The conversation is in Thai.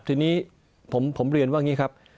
ที้นี้ผมเรียนว่านี้ครับ